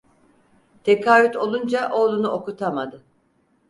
Tekaüt olunca oğlunu okutamadı.